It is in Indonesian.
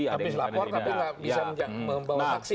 tapi dilapor tapi nggak bisa membawa paksi